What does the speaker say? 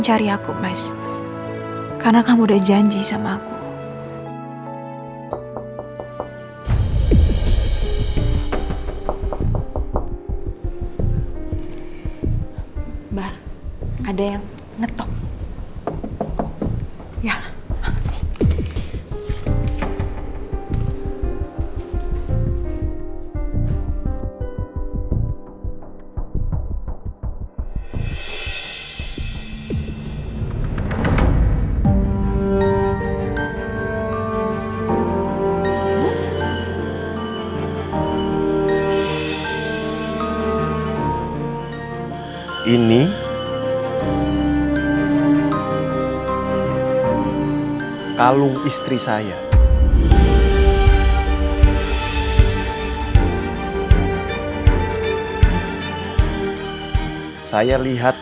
kalian semua ngumpul di sini ada apa